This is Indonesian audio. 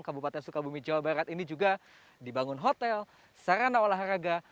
kabupaten sukabumi jawa barat ini juga dibangun hotel sarana olahraga